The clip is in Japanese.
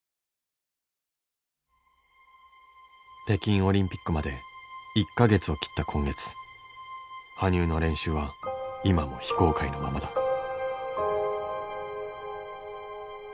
北京オリンピックまで１か月を切った今月羽生の練習は今も非公開のままだ。